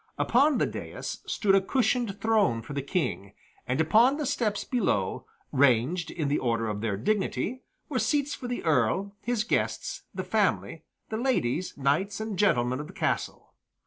Upon the dais stood a cushioned throne for the King, and upon the steps below, ranged in the order of their dignity, were seats for the Earl, his guests, the family, the ladies, knights, and gentlemen of the castle.